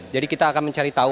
kita akan mencari tahu